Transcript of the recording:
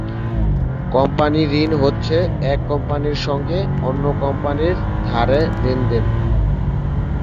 Company ঋণ হচ্ছে এক কোম্পানির সঙ্গে অন্য কোম্পানির ধারে লেনদেন।